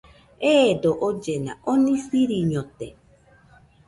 Eedo ollena oni siriñote.